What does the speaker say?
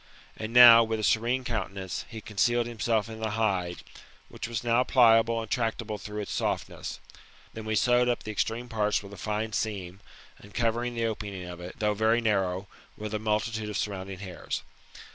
] And now, with a serene countenance, he concealed himself in the hide, which was now pliable and tractable through its softness. Then we sewed up the extreme parts with a fine seam, and covered the opening of it, though very narrow, with a multitude of surrounding hairs.